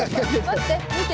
待って。